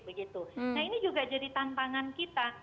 nah ini juga jadi tantangan kita